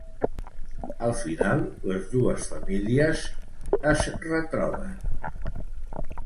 Al final, les dues famílies es retroben.